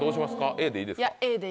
Ａでいいです。